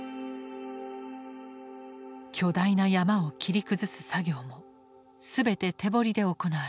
巨大な山を切り崩す作業も全て手掘りで行われた。